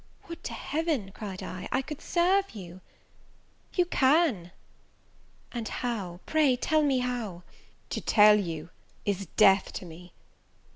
"Would to Heaven," cried I, "I could serve you!" "You can!" "And how? Pray tell me how?" "To tell you is death to me!